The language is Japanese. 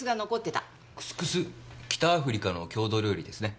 クスクス北アフリカの郷土料理ですね。